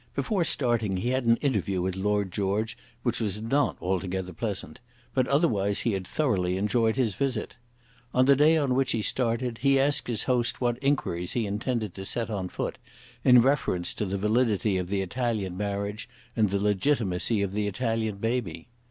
Before starting he had an interview with Lord George which was not altogether pleasant; but otherwise he had thoroughly enjoyed his visit. On the day on which he started he asked his host what inquiries he intended to set on foot in reference to the validity of the Italian marriage and the legitimacy of the Italian baby.